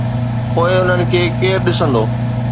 پوءِ انهن کي ڪير ڏسندو؟